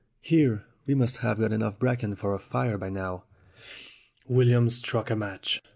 Here, we must have got enough bracken for our fire by now." William struck a match.